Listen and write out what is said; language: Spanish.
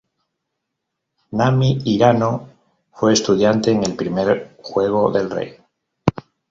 Nami Hirano fue estudiante en el primer juego del Rey.